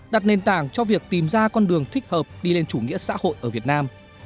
đặt nền tảng cho việc tìm ra con đường thích hợp đi lên chủ nghĩa xã hội ở việt nam